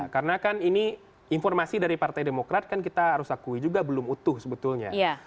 karena kan ini informasi dari partai demokrat kan kita harus akui juga belum utuh sebetulnya